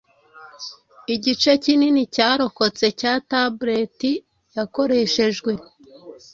igice kinini cyarokotse cya tablet yakoreshejwe